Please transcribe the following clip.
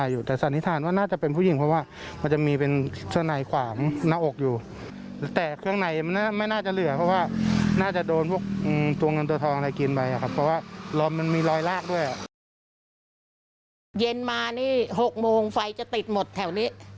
เย็นมานี่๖โมงไฟจะติดหมดแถวนี้